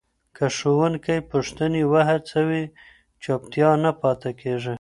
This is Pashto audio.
که ښوونکی پوښتني وهڅوي، چوپتیا نه پاته کېږي.